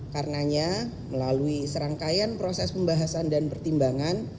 karenanya melalui serangkaian proses pembahasan dan pertimbangan